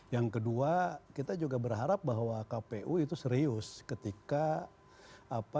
yang kedua kita juga berharap bahwa kpu itu serius ketika